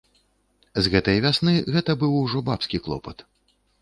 З гэтай вясны гэта быў ужо бабскі клопат.